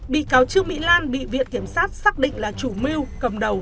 bị cáo trương mỹ lan bị viện kiểm sát xác định là chủ mưu cầm đầu